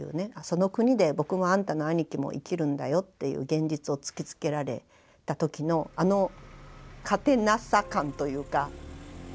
「その国で僕もあんたの兄貴も生きるんだよ」っていう現実を突きつけられた時のあの勝てなさ感というか。